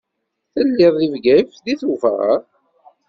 Telliḍ deg Bgayet deg Tubeṛ?